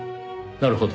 なるほど。